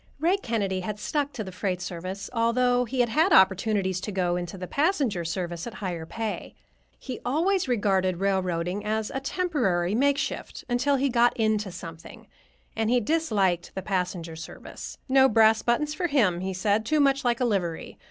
Ray Kennedy had stuck to the freight service, although he had had opportunities to go into the passenger service at higher pay. He always regarded railroading as a temporary makeshift, until he "got into something," and he disliked the passenger service. No brass buttons for him, he said; too much like a livery.